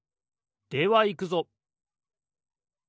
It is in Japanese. ではいくぞ！